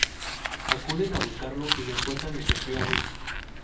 Acuden a buscarlo y lo encuentran efectivamente.